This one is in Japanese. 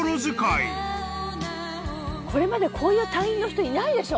これまでこういう隊員の人いないでしょ。